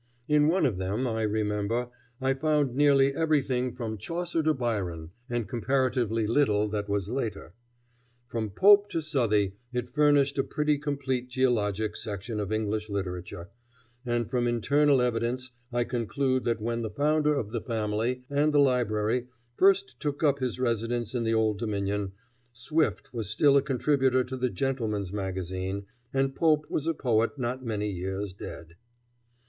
In one of them, I remember, I found nearly everything from Chaucer to Byron, and comparatively little that was later. From Pope to Southey it furnished a pretty complete geologic section of English literature, and from internal evidence I conclude that when the founder of the family and the library first took up his residence in the Old Dominion, Swift was still a contributor to the Gentleman's Magazine, and Pope was a poet not many years dead.